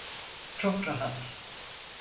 Çok rahat.